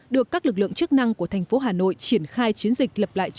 được các lực lượng chức năng của thành phố hà nội triển bày